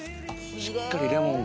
しっかりレモンが。